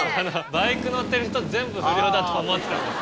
バイク乗ってる人全部不良だと思ってるんです。